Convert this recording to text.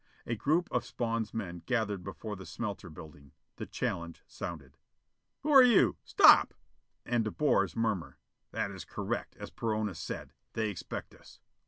A group of Spawn's men gathered before the smelter building. The challenge sounded. "Who are you? Stop!" And De Boer's murmur: "That is correct, as Perona said. They expect us.